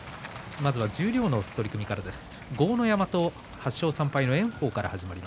まずは十両の取組からです。